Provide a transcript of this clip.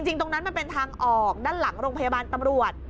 ตรงนั้นมันเป็นทางออกด้านหลังโรงพยาบาลตำรวจ